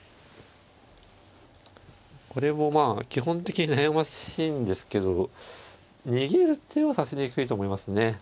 これもまあ基本的に悩ましいんですけど逃げる手は指しにくいと思いますね。